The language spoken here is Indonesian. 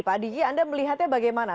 pak diki anda melihatnya bagaimana